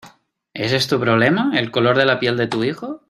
¿ ese es tu problema, el color de la piel de tu hijo?